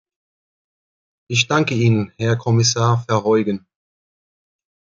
Ich danke Ihnen, Herr Kommissar Verheugen.